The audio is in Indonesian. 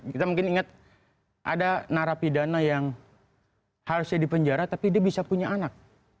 kita mungkin ingat ada narapidana yang harusnya di penjara tapi dia bisa punya anak